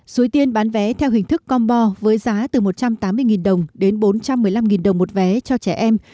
suối tiên bán vé theo hình thức combo với giá từ một trăm tám mươi đồng đến bốn trăm một mươi năm đồng một vé cho trẻ em